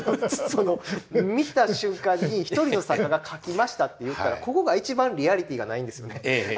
見た瞬間に一人の作家が書きましたっていったらここが一番リアリティーがないんですよね。